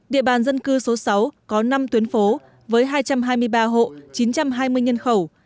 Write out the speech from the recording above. địa bàn dân cư số sáu có năm tuyến phố với hai trăm hai mươi ba hộ chín trăm hai mươi nhân khẩu